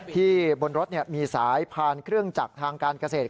บนรถมีสายพานเครื่องจักรทางการเกษตร